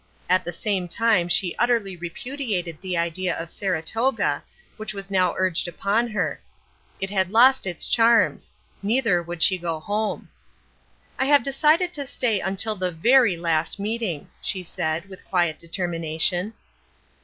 At the same time she utterly repudiated the idea of Saratoga, which was now urged upon her; it had lost its charms; neither would she go home. "I have decided to stay until the very last meeting," she said, with quiet determination.